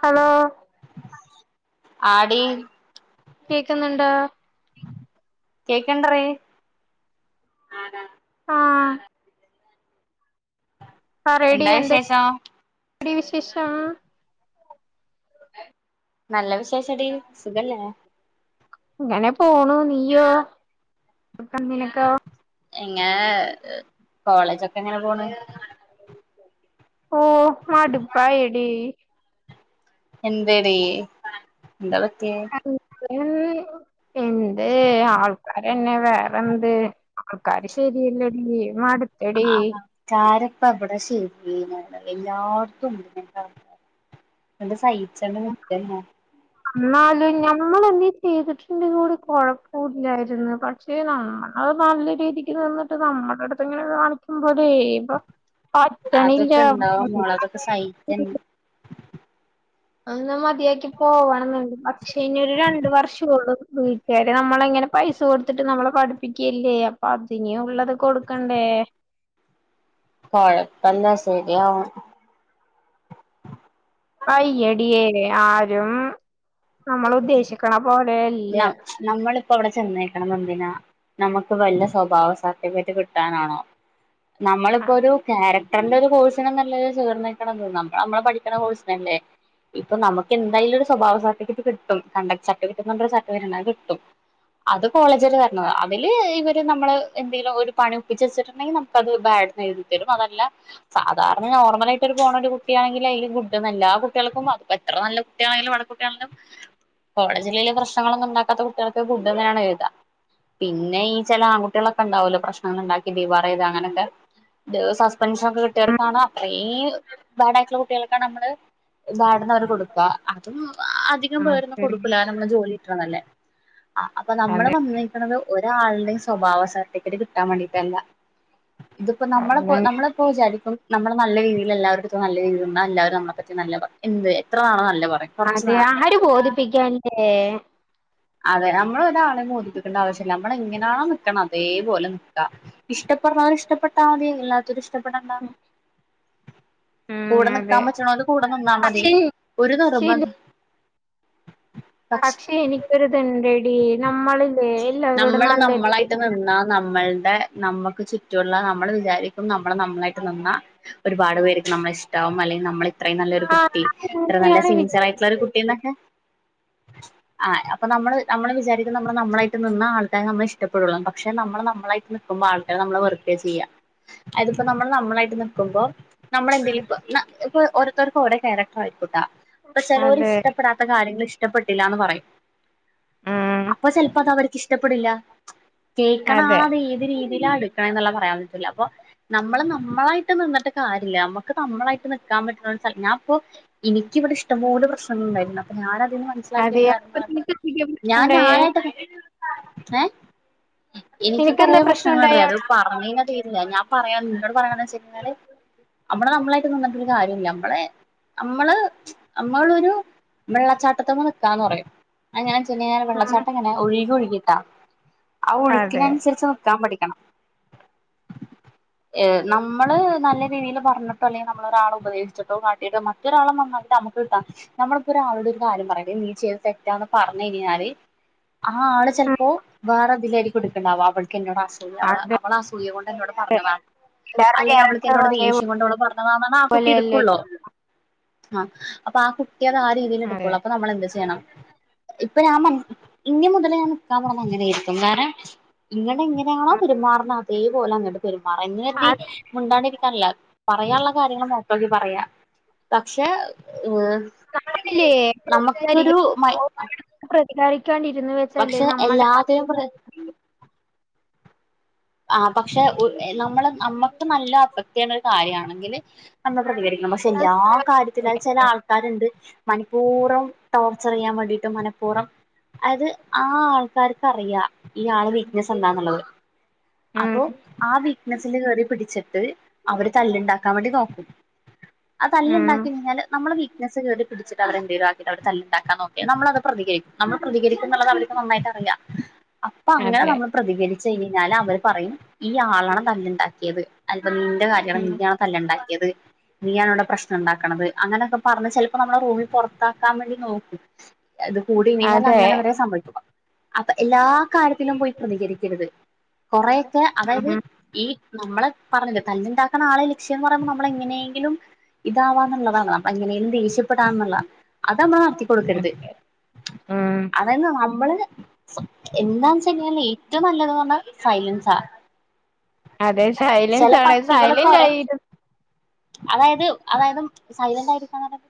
Hello ആടി കേക്കുന്നുണ്ടോ കേക്കണ്ട്രി ആരാ ആ എന്താ വിശേഷം എടി വിശേഷം നല്ല വിശേഷടി സുഖല്ലേ ഇങ്ങനെ പോണു നീയോ അപ്പം നിനക്കോ എങ്ങെനെ കോളേജൊക്കെ എങ്ങനെ പോണ് ഓ മാട്പ്പായെടീ എന്തെടീ എന്താ പറ്റിയെ എൻ എന്തെ ആൾക്കാരന്നെ വേറെന്ത് ആൾക്കാര് ശരിയല്ലടി മട് ആ ചാര പ്പ അവിടെ ശരിയ [unintelligible] എല്ലാടത്തും ഉണ്ട് [unintelligible] ച്ച [unintelligible] നമ്മള എന്തേ ചെയ്തിട്ടുണ്ടെങ്കി കൂടി കുഴപ്പ ഇല്ലായിര്ന്നു പക്ഷെ നമ്മളത് നല്ല രീതിക്ക് നിന്നിട്ട് നമ്മുടെ അടുത്ത്ങ്ങനെ കാണിക്കുമ്പോ അവിടെ [unintelligible] പറ്റണില്ല അതൊക്കെ ഉണ്ടാവും മോളെ അതൊക്കെ സഹിക്കന്നെ [unintelligible] അന്നാ മറ്റ് മതിയാക്കി പോവണം ന്ന്ണ്ട് പക്ഷേ ഇനി ഒരു രണ്ട് വർഷേ ഒള്ള് വീട്ടുകാര് നമ്മളിങ്ങനെ പൈസ കൊടുത്തിട്ട് നമ്മളെ പഠിപ്പിക്കല്ലേ അപ്പൊ അതിനെ ഉള്ളത് കൊടുക്കണ്ടേ കൊഴപ്പെന്താ ശെരിയാവും അയ്യടിയേ ആരും നമ്മൾ ഉദ്ദേശിക്കണം ന നമ്മളിപ്പോ അവിടെ ചെന്നേക്കണ എന്തിനാ നമുക്ക് വല്ല സ്വഭാവ സർട്ടിഫിക്കറ്റ് കിട്ടാനാണോ നമ്മളിപ്പൊരു ഒരു ക്യാര നല്ലൊരു കോഴ്സിനൊന്നു അല്ലല്ലോ ചേർന്നേക്കണത് നമ്മൾ നമ്മളെ പഠിക്കണ കോഴ്സിനല്ലേ ഇപ്പ നമുക്ക് എന്തായാലും ഒരു സ്വഭാവ സർട്ടിഫിക്കറ്റ് കിട്ടും കണ്ടക്ട് സർട്ടിഫറ്റ് [unintelligible] കിട്ടും അത് കോളേജില് വരണം അതില് ഇ നമ്മള് എന്തിലോ ഒരു പണി ഒപ്പിച്ചു വെച്ചിട്ടുണ്ടെങ്കിൽ നമുക്ക് ബാട് എഴുതി തരും അതല്ല കാരണം നോർമലായിട്ട് പോണൊരു കുട്ടിയാണെങ്കിലും അതില് ഗുഡ്ന്നല്ല അ കുട്ട്യാക്കും അ എത്ര നല്ല കുട്ടിയാണെങ്കിലും [unintelligible] കോളജില്ല പ്രശ്നങ്ങളന്നും ഇണ്ടാക്കാത്ത കുട്ടി ഇ ഗുഡ്ന്നാണ് എഴുതാ പിന്നെ ഈ ചില ആൺകുട്ടികളൊക്കെ ഉണ്ടാവല്ലോ പ്രശ്നങ്ങൾ ഉണ്ടാക്കി [unintelligible] അങ്ങനെയൊക്കെ ഇ സസ്പെൻഷനൊക്കെ കുട്ടികൾക്കാണ് അത്രേയും ബാഡ ആയിട്ടുള്ള കുട്ട്യാള്ക്കാണ് നമ്മള് ബാട്ന്നോര് കൊട്ക്ക അത് അധികം ആഹ് പേരൊന്നും ശരി കൊടുക്കൂല നമ്മളെ ജോല ത്ര ന്നല്ലേ ആ അപ്പൊ നമ്മള് അതെ [unintelligible] ഒരാള്ടേയും സ്വഭാവ സർട്ടിഫിക്കറ്റ് കിട്ടാൻ വേണ്ടിട്ടല്ല ഇതിപ്പോ നമ്മള്പ്പോ അങ്ങനെ നമ്മള്പ്പോ വിചാരിക്കും നമ്മള് നല്ല രീതിയിൽ എല്ലാവരുടത്തും നല്ല രീതിൽ നിന്ന എല്ലാവരും നളെ പറ്റി നല്ല പറയും എന്ത് എത്രാണോ നല്ല പറയും കുറച്ച് അതെ നാള് ആര് ബോധിപ്പിക്കാൻ ഏ അതെ നമ്മളൊരാളെ ബോദിപ്പിക്കേണ്ട ആവശ്യല്ല നമ്മള് എങ്ങനെയാണോ നിക്കണ അതേപോലെ നിക്ക ഇഷ്ടപ്പെടുണോര് ഇഷ്ടപ്പെട്ടാ മതി അല്ലാത്തോര് ഇഷ് പ്പെടണ്ട ഉം കൂടെ അതെ നിക്കാൻ പറ്റണോല് കൂടെ നിന്നാ മതി പക്ഷെ ഒരു നിർബ ശരി പക്ഷെ എനിക്കൊരുത്ണ്ട് എടി നമ്മളല്ലേ എല്ലാവരോടും നമ്മളായിട്ട് നല്ലരീതിക്കാണ് നിന്നാ നമ്മളുടെ നമ്മക്ക് ചുറ്റുള്ള നമ്മള് വിചാരിക്കും നമ്മള നമ്മളായിട്ട് നിന്ന ഒരുപാട് പേർക്ക് നമ്മളെഷ്ടാവും അല്ലെ നമ്മള ഇത്രയും നല്ലരു ആഹ് കുട്ടി ഇത്ര നല്ല സിൻസിയർ ആയിട്ടുള്ള ഒരു കുട്ടി ന്നൊക്കെ ആ അപ്പൊ നമ്മള് നമ്മൾ വിചാരിക്കുന്നത് നമ്മൾ നമ്മളായിട്ട് നിന്ന ആൾക്കാര് നമ്മൾ ഇഷ്ടപ്പെടുള്ളുന്ന് പക്ഷെ നമ്മൾ നമ്മളായിട്ട് നിക്കുമ്പോ ആൾക്കാര് നമ്മള് വെറുക്കാ ചെയ്യാ അതിപ്പോ നമ്മൾ നമ്മളായിട്ട് നിക്കുമ്പോ നമ്മളെന്തെലും ഇപ്പോ ഓരോരുത്തർക്ക് ഓരോ ക്യാരക്ടർ ആയിരിക്കും ട്ടോ അപ്പൊ ചെലൊരു അതെ ഇഷ്ടപ്പെടാത്ത കാര്യങ്ങൾ ഇഷ്ട ഇഷ്ടപ്പെട്ടില്ലന്ന് പറയും ഉം അപ്പൊ ചെലപ്പോ അത് അവർക്ക് ഇഷ്ടപ്പെടില്ല കേൾക്കണ അതെ ആള അത് ഏത് രീതി യിലാ എടുക്കാന്നുള്ളേ പറയാൻ പറ്റൂല്ല അപ്പ നമ്മള് നമ്മളായിട്ട് നിന്നിട്ട് കാര്യല്ല നമ്മുക്ക് നമ്മളായിട്ട് നിക്കാൻ പറ്റുന്ന ഒര് സ്ഥലം ഞാ ഇപ്പോ ഇനിക്കിവിടെ ഇഷ്ടംപോലെ പ്രശ്നങ്ങൾ ഉണ്ടായിരുന്നു അപ്പൊ ഞാന അതെ [unintelligible] ഞാൻഞാനായിട്ട് ഏ എനിക്ക് കുറേ നിനക്കെന്താ പ്രശ്നങ്ങൾഉണ്ടറേ പ്രശ്നണ്ടായേ അത് അവിടെ പറഞ്ഞ് കഴിഞ്ഞാ തീരില്ല ഞാൻ പറയാ നിന്നോട് പറയണന്താ വെച്ച് കഴിഞ്ഞാല് നമ്മള് നമ്മളായിട്ട് നിന്നിട്ടൊരു കാര്യൂല്ല നമ്മളെ നമ്മള് നമ്മളൊരു വെള്ളച്ചാട്ടത്ത്മ്മ നിക്കാന്ന് പറയും അങ്ങനെ എങ്ങനേണ് ആഹ് വെള്ളച്ചാട്ടം എങ്ങനെ ഒഴുകി ഒഴുകി ക്കാ ആ അതെ ഒഴുക്കിനനുസരിച്ച് നിക്കാൻ പഠി ക്കണം ഏ നമ്മള് നല്ല രീതിയിൽ പറഞ്ഞിട്ടോ അല്ലെങ്കിൽ നമ്മളരാൾ ഉപദേശിച്ചിട്ടോ കാട്ടിട്ടോ മറ്റൊരാളെ നന്നാക്കീട്ട് നമുക്ക് കിട്ടാൻ നമ്മളിപ്പോ ഒരാളോട് ഒരു കാര്യം പറയാ നീ ചെയ്തത് തെറ്റാന്ന് പർ ഞ്ഞയ്ഞ്ഞാല് ആ ആള് ഉം. ചെലപ്പോ വേറെതിലായിരിക്കു ഇട് ക്ക്ണ്ടാവ അ ക്കെന്നോട് അസൂയ അവള് അത് അവള് അസൂയ കൊണ്ട് എന്നോട് പറഞ്ഞതാണ് എല്ലാരുടെ അല്ലെങ്കിൽ അവൾക്ക് ക്യാരക്ടർ എന്നോട് ദേഷ്യം കൊണ്ട് അവള് പറഞ്ഞതാന്നാണ് ആ കുട്ടി ഒരേപോലെയല്ലേ എടുക്കുള്ളോ ഹാ അപ്പാ ആ കുട്ടി അത് ആ രീതിൽ എടുക്കുള്ളൂ അപ്പൊ നമ്മൾ എന്ത് ചെയ്യണം ഇപ്പൊ ഞാൻ മൻസി ഇനി മുതൽ ഞാൻ നിക്കാൻ പോണത് അങ്ങനെയായിരി ക്കും വേറെ ഇങ്ങട് എങ്ങനെയാണോ പെരുമാറുന്ന തേ പോലെ അങ്ങട്ട് പെരു മാറ എന്ന് കരുതി അത് മുണ്ടാണ്ടിരിക്കാനല്ല പറയാനുള്ള കാര്യങ്ങൾ മുഖത്ത് നോക്കി പറയാ പക്ഷെ ഏ നമ്മളില്ലേ നമുക്കൊരു മയ് [unintelligible] ക്ക് വേണ്ടി ഇര്ന്ന് വെച്ചാല്ലേ നമ്മുടെ എല്ലാത്തിനും പ്ര [unintelligible] ആ പക്ഷെ ഒരു എ നമ്മള് നമ്മക്ക്‌ നല്ലൊ അഫക്ട് ചെയ്യണ ഒരു കാര്യാണെങ്കില് അന്ന് പ്രതികരിക്കണം പക്ഷെ എല്ലാ കാര്യത്തിലും അത് ചില ആൾക്കാര്ണ്ട് മനഃപൂർവം ടോർച്ചർ ചെയ്യാൻ വേണ്ടിയിട്ട് മനഃപൂർവം അത് ആ ആൾക്കാർക്കറിയാ ഈ ആളെ വീക്ക്നെസ് എന്താന്ന്ള്ളത് ഉം അപ്പൊ ആ വീക്നെസ്സില് കേറി പിടിച്ചിട്ട് അവര് തല്ലുണ്ടാക്കാൻ വേണ്ടി നോ [unintelligible] അ ഉം തല്ല്ണ്ടാക്കി കഴിഞ്ഞാല് നമ്മളെ വീക്നസ്സ് കേറി പിടിച്ചിട്ട് അവര് എന്തേലും ആക്കീട്ട് അവിടെ തല്ല് ഉണ്ടാക്കാൻ നോക്കിയാ നമ്മളത് പ്രതികരി നമ്മൾ പ്രതികരിക്കുംന്ന്ള്ളത് അവർക്ക് നന്നായിട്ടറിയാ [inaudible] അപ്പൊ അങ്ങനെ അതെ നമ്മൾ പ്രതികരി ചെയ്യ്നാൽ അവർ പറയും ഈ ആളാണ് തല്ല്ണ്ടാക്കിയത് [unintelligible] നിന്റെ കാര്യാണ് ഉം നിയാണ് തല്ല് ഇണ്ടാക്കിയത് നീയാണിവിടെ പ്രശ്നം ഇണ്ടാക്കണത് അങ്ങനെയൊക്കെ പറഞ്ഞ് ചിലപ്പോ നമ്മളെ റൂമിൽ പൊറത്താക്കാൻ വേണ്ടി നോക്കും അത് കൂടിയ്ഞ്ഞഞ്ഞാൽ അതെ അങ്ങനെ വരെ സംഭവിക്കും അപ്പൊ എല്ലാ കാര്യത്തിലും പോയി പ്രതികരിക്കരുത് കുറെയൊക്കെ അതായത് ഉം ഈ [unintelligible] നമ്മളെ പറഞ്ഞത് തല്ല്ണ്ടാക്ക്ണ ആളെ ലക്ഷ്യം എന്ന് പറയുമ്പോ നമ്മളെ എങ്ങനേങ്കിലും ഇതാവാന്ന്ള്ളതാണ് അപ്പ എങ്ങനേലും ദേഷ്യം പ്പെടാന്ന്ള്ള അതവാത്തി കൊട്ക്കരുത് അതെ ഉം അതായത് നമ്മള് സ്വ എന്താന്ന്ച്ച് കൈഞ്ഞാല് ഏറ്റവും നല്ലത് പറഞ്ഞാൽ സാ അതെ സൈലൻസ് ആണത് പട്ടികളൊക്കെ സൈലന്റ് ഒര ആയിരുന്നു അതായത് അതായതും സൈലന്റായിരിക്കാന്ന് പറഞ്ഞാല്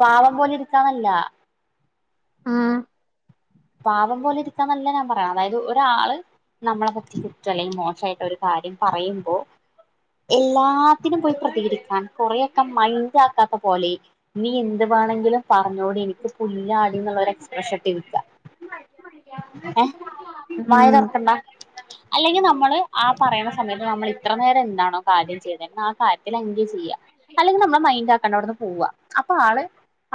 പാവം പോലെ ഇരിക്കാന്ന് അല്ല ആഹ് പാവം പോലെ ഇരിക്കാന്നല്ല ഞാൻ പറയണത് അതായത് ഒരാള് നമ്മളെ പറ്റി കുറ്റം അല്ലെങ്കിൽ മോശായിട്ട് ഒരു കാര്യം പറയുമ്പോ എല്ലാത്തിനും പോയി പ്രതികരിക്കാൻ കൊറെയൊക്കെ മൈൻഡ് ആക്കാത്ത പോലെ നീ എന്ത്‌ വാണെങ്കിലും പറഞ്ഞോടി എനിക്ക് പുല്ലാടിന്ന്ള്ള ഒരു എക്സ്പ്രഷൻ കെ ഇരിക്കാ എഹ് വായ ഉം തുറക്കണ്ട അല്ലെങ്കിൽ നമ്മള് ആ പറയണ സമയത്ത് നമ്മൾ ഇത്ര നേരം ഇണ്ടാണം കാര്യം ചെയതേ ന്നാ കാര്യത്തിൽ എൻഗേജ് ചെയ്യാ അല്ലെങ്കി നമ്മൾ മൈന്റാക്കണ്ട ഔട്ന്ന് പോവ അപ്പാ ളെ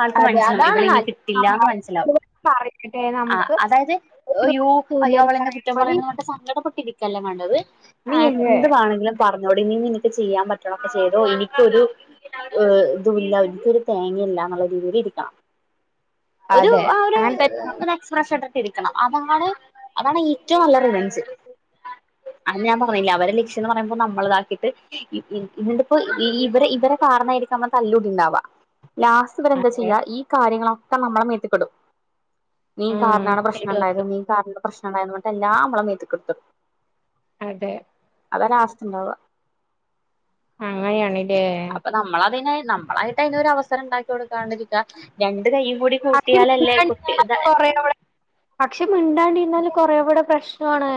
ആൾക്ക് അതെ മനസ്സിലാവും അതാണ് ഇവളെ ഇനി നല്ലത് കിട്ടില്ലാന്ന് മനസ്സിലാവും നമ്മൾ പറയട്ടെ അ നമുക്ക് അതായത് ഒരു യോ അയ്യോ ഇല്ലാന്ന് അവളെന്നെ പറയുന്ന കുറ്റം പോലെ പറയ്ന്ന് [unintelligible] പൊട്ടി പോ ഇക്കല്ലെ മാണ്ടവ് നീ അതെ എന്ത് മാണങ്കിലും പറ ഔടേങ്കിലും നിനക്ക് ചെയ്യാൻ പറ്റ്ണൊക്കെ ചെയ്തോ ഇനിക്കൊരു ഏ ഇ തൂ [unintelligible] തേങ്ങീല ഇങ്ങെളെ ബീടീട് ക്കണം ഒരു അതെ ആ ഒര് അങ്ങനെ തന്നെ [unintelligible] ക്കണം. അതാണ് അതാണ് ഏറ്റവും നല്ല റിവഞ്ച്. അത് ഞാൻ പറഞ്ഞില്ലെ അവരെല ഷ്യന്ന് പറയുമ്പം നമ്മള്താക്കീട്ട് ഇന്നട്ട്പ്പം ഇ ഇവരെ കാരണായിരിക്കാ മ്മളെ തല്ലു ഇണ്ടാവാ. ലാസ്റ്റ് ഇവരെന്താ അതെ ചെയ്യാ ഈ കാര്യങ്ങള ക്കെ നമ്മളെ മേത്ത്ക്ക്ടും. നീ ഉം കാരണാണ് ഇടും പ്രശ്നണ്ടായത് ഇടും നീ കാരണാ പ്രശ് നണ്ടായേന്നെ പറഞ്ഞിട്ട് എല്ലാം ഞമ്മളെ മെത്ത്ക്ക്ട്ത്ത്ടും. അതെ അതാ ലാസ്‌റ്റ് ണ്ടാവാ. അങ്ങനെയാണ് ല്ലേ. നമ്മളതിന് നമ്മളായിട്ട് അതിന് ഒരു അവസരം ഇണ്ടാക്കി കൊടുക്കാതിരിക്കുവാ ര - ണ്ട് കയ്യും കൂടി പക്ഷെ കൂട്ടിയാലല്ലേ കൊട്ടി ക ക്ഷെമി മിണ്ടാടിരുന്നാലും കൊറേകൂടെ പ്രശ്നാണ്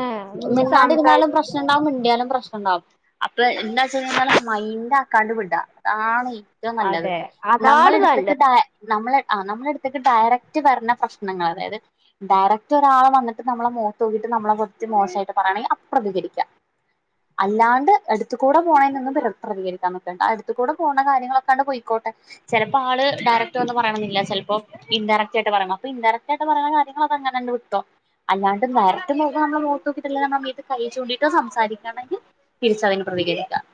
മിണ്ടാണ്ടിരുന്നാലും പ്രശ്‌നം ഉണ്ടാവും മിണ്ടി ആലും പ്രശ്ന - അപ്പള് എന്താന് വെച്ചാല് മൈൻഡ് ആക്കാണ്ട് വിടുവാ അതാണ്- ഏറ്റവും നല്ലത് അതെ നമ്മള് അതാണ് എടുത്തിട്ട് നല്ലത് താ നമ്മള് ആഹ് നമ്മടെടുത്തേക്ക് ഡയറക്റ്റ് വരണ പ്രശ്നങ്ങള് വേറെ ഡയരക്റ്റ് ഒരാള് വന്നിട്ട് നമ്മളെ മോത്ത് നോക്കീട്ട് നമ്മളെ മോശായിട്ട് പറയണമെങ്കിൽ അപ്പ പ്രതികരിക്ക അല്ലാണ്ട് അടുത്തുകൂടെ പോണേനൊന്നും പ്രതികരിക്കാൻ നിക്കണ്ട അടുത്തു കൂടെ പോണ കാര്യങ്ങളൊക്കെ അങ്ങട് പൊയ്ക്കോട്ടെ ചെലപ്പം ആള് ഡയറക്റ്റ് വന്ന് പറയണന്നില്ല ചെലപ്പം ഇൻ ഡയറ്ക്ടയിട്ട് പറയ ഇൻ ഡയറക്റ്റായി പറയണ കാര്യങ്ങള അങ്ങനന്നെ വിട്ടോ അല്ലാണ്ട് ഡയറക്റ്റ് നോക്കി ഇപ്പം നമ്മളെ മോത്ത് നോക്കീട്ട് കൈ ചൂണ്ടിട്ടോ സംസാരിക്കാണെങ്കി തിരിച്ച് അതിന് പ്രതികരിക്കാം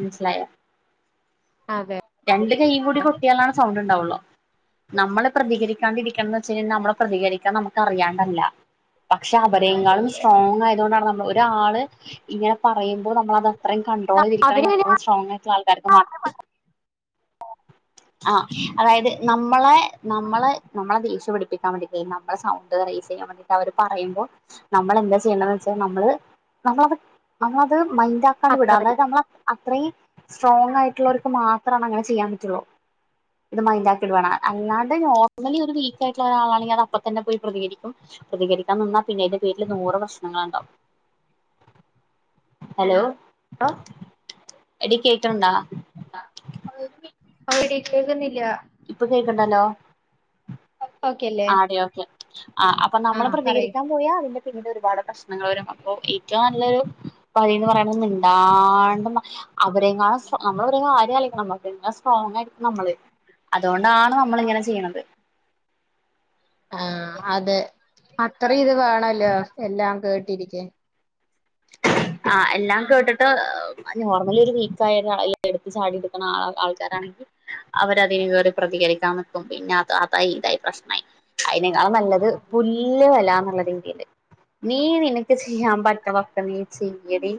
മനസ്സിലായോ അതെ രണ്ട് കയ്യും കൂടി കൊട്ടിയാലാണ് സൗണ്ട് ഉണ്ടാവുള്ളു നമ്മള് പ്രതികരിക്കാണ്ടിരിക്കന്ന് വെച്ച് കഴിഞ്ഞാൽ നമ്മള് പ്രതികരിക്കണം നമ്മക്ക് അറിയാണ്ടല്ല പക്ഷെ അവരെ എങ്ങാനും സ്ട്രോങ്ങ് ആയതുകൊണ്ടാണ് നമ്മൾ ഒരാള് ഇങ്ങനെ പറയുമ്പോൾ നമ്മളത് അത്‌ അല്ല - അത്രയും കണ്ടട്രോളിൽ ഇരിക്കണെങ്കിൽ അവരിങ്ങനെ അത്രയും സ്ട്രോങ് ആയിട്ടുള്ള ആൾക്കാർക്ക് മാത്ര ആഹ് അതായത് നമ്മളെ- നമ്മള് നമ്മളത് രക്ഷപ്പെടും കേട്ടമതി വേണ്ട നമ്മ സൗണ്ട് റൈസ് ചെയ്യാൻ വേണ്ടിട്ട് അവര് പറയുമ്പോൾ നമ്മൾ എന്താ ചെയ്യേണ്ടന്ന് വെച്ചാൽ നമ്മള് നമ്മളത് നമ്മ- അത് മൈൻ ഡാക്കാണ്ട് വിട അത്ര അതായത് നമ്മൾ അത്രയും സ്ട്രോങ് ആയിട്ടുള്ളോര്ക്ക് മാ ത്രാണ് അങ്ങനെ ചെയ്യാൻ പറ്റുള്ളൂ. ഇത് മൈൻഡ ആക്കിടു വാണ അല്ലാണ്ട് നോർമലി ഒരു വീക്ക് ആയിട്ട്ള്ള ഒരാളാണെങ്കി അത് അപ്പ തന്നെ പോയി പ്രതികരിക്കും. പ്രതികരിക്കാൻ നിന്ന, പിന്നെയ്ന്റെ പേര്ല് നൂറ് പ്രശ്നങ്ങളാണ്ടാവും. ഹലോ ആ എടീ കേട്ട [unintelligible] ണ്ടാ അ വ്ടെ കേൾക്കുന്നില്ല ഇപ്പൊ കേക്കണ്ടല്ലോ ഓക്കെല്ലേ ആടി ഓക്കെ ആ അപ്പൊ ആ നമ്മള് പറയ് പ്രതികരിക്കാൻ പോയാ അതിന്റെ പിന്നീട് ഒരുപാട് പ്രശ്നങ്ങള് വരുമ്പോ ഒക്കെ ഏറ്റവും നല്ലൊരു വഴി പറയണത് മിണ്ടാണ്ട് ന്ന് അവരെങ്ങാനും നമ്മൾ അവരെ ആരെ നമ്മുക്ക് എല്ലാം സ്ട്രോങ്ങ് ആയിരിക്കും നമ്മള് അതുകൊണ്ടാണ് നമ്മള് ഇങ്ങനെ ചെയ്യണത് ആ അതെ അത്ര ഇത് വേണോല്ലോ എല്ലാം കേട്ട് ട്ടിരിക്കാൻ ആ എല്ലാം കേട്ടിട്ട് നോർമലി ഒരു വീക്സ് ആയവരാണ് ഈ വെളുത്ത സാരി ഉടുക്കുന്ന ആള് ആൾക്കാരാണെങ്കിലും അവരെ ഇനി ഇവര് പ്രതികരിക്കാംന്ന് പിന്നെ അത് അതായി ഇതായി പ്രശ്നായി അയ്നെക്കാളും നല്ലത് പുല്ലുവില എന്നുള്ള രീതിയില് നീ നിനക്ക് ചെയ്യാൻ പറ്റതൊക്കെ നീ ചെയ്യടി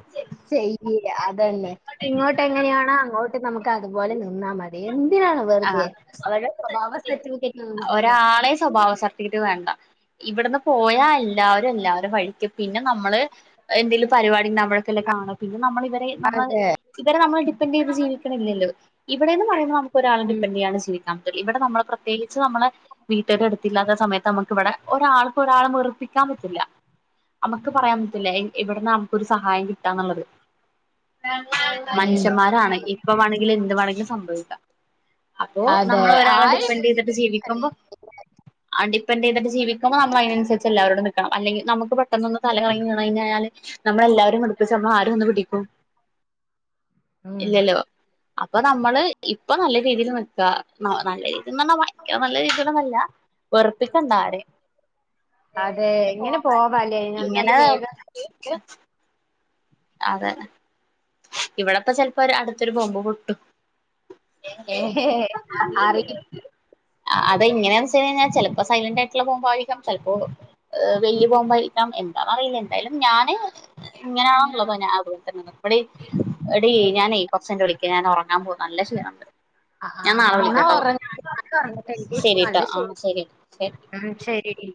ചെയ്യ് അതല്ലെ ഇങ്ങോട്ട് എങ്ങനെയാണോ അങ്ങോട്ട് നമുക്ക് അതുപോലെ നിന്നാൽ മതി എന്ത് എന്തിനാണ് വെറുതെ ആഹ് അവരുടെ സ്വഭാവ സർട്ടിഫിക്കറ്റ് ഒന്നും നമുക്ക് ഒരാളെ വേണ്ടാല്ലോ സ്വഭാവ സർട്ടിഫിക്കറ്റ് വേണ്ട ഇവിടന്ന് പോയല്ലാ എല്ലാവരും എല്ലാവരെ വഴിക്കും പിന്നെ നമ്മള് എന്തേലും പരിപാടി ഉണ്ടാവുമ്പോഴൊക്കെയല്ലേ കാണ നമ്മൾ ഇവരെ നമ്മൾ ഇവരെ നമ്മൾ ഡിപ്പെൻഡ് ചെയ്ത് ജീവിക്കണില്ലല്ലോ ഇവിടേന്ന് പറയുമ്പോ നമു ഒരാളെ ഉം. ഡിപെൻഡ് ചെയ്യുകയാണ് ചെയ്യു ഇവിടെ നമ്മൾ പ്രത്യേകിച്ച് നമ്മളെ വീട്ടാരുടത്ത് ഇല്ലാത്ത സമയത്ത് നമുക്ക് ഇവിടെ ഒരാള് ഒരാളെ വെറുപ്പിക്കാൻ പറ്റില്ല നമുക്ക് പറയാൻ പറ്റില്ല എവിടന്നാ നമുക്കൊരു സഹായം കിട്ടാന്നുള്ളത് ഉം. മനുഷ്യന്മാരാണ് ഇപ്പ വേണമെങ്കിലും എന്ത് വേണമെങ്കിലും സംഭവിക്കാം അപ്പോ അതെ. നമ്മൾ ഒരാളെ ആരും ഡിപ്പെൻഡ് ചെയ്തിട്ട് ജീവിക്കുമ്പോ ഡിപെൻഡ് ചെയ്തിട്ട് ജീവിക്കുമ്പോ നമ്മൾ അതിനനുസരിച്ച് അല്ലേ അവരോട് നിക്കണം അല്ലെങ്കി നമുക്ക് പെട്ടെന്നൊന്ന് തലകറങ്ങി വീണു കഴിഞ്ഞായാല് നമ്മളെ എല്ലാവരേയും വെറുപ്പിച്ചാ നമ്മളെ ആര് വന്ന് പിടിക്കും ഉം. ഇല്ലല്ലോ അപ്പൊ നമ്മള് ഇപ്പൊ നല്ല രീതിയിൽ നിക്കാ നല്ല രീതിൽന്ന് പറഞ്ഞാ വയങ്കര നല്ല രീതിൽ ഒന്നും അല്ല വെറുപ്പിക്കണ്ടരെ അതെ. ഇങ്ങനെ പോവാല്ലേ? ഞാൻ ഇങ്ങനെ എന്തായാലും വേഗം അതെ ഇവിടെപ്പ ചിലപ്പോ ഒര് അടുത്തൊരു ബോംബ് പൊട്ടും [unintelligible] അ അതെങ്ങനെയാന്ന് വെച്ച് കഴിഞ്ഞാൽ ചിലപ്പോ സൈലന്റ് ആയിട്ടുള്ള പോകുമ്പോ ആയിരിക്കാം ചെലപ്പോ ഏ വല്ല്യ ബോംബായിരിക്കാം എന്താന്ന് അറിയില്ല എന്തായാലും ഞാന് ഇങ്ങനാണുള്ളത് ഞാൻ അതുപോലെ തന്നെ നിക്കും എടീ ഞാനെ കൊറച്ച് കഴിഞ്ഞിട്ട് വി വിളിക്കാ ഞാൻ ഉറങ്ങാൻ പോവാ നല്ല ക്ഷീണംണ്ട് ആഹ് ശരിട്ടോ ആ ശരി ശരി ശരി ഡീ